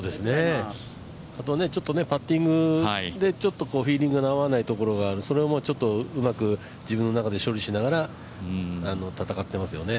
あと、パッティングがフィーリング合わないところがあるそれをうまく自分の中で処理しながら戦ってますよね。